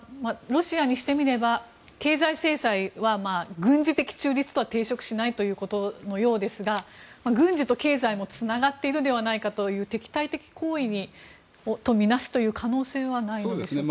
ロシアにしてみれば経済制裁は軍事的中立とは抵触しないとのことのようですが軍事と経済もつながっているではないかという敵対的行為とみなす可能性はないでしょうか。